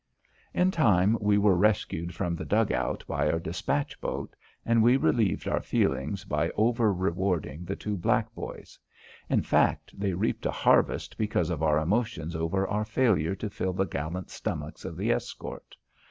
In time we were rescued from the dug out by our despatch boat, and we relieved our feelings by over rewarding the two black boys. In fact they reaped a harvest because of our emotion over our failure to fill the gallant stomachs of the escort.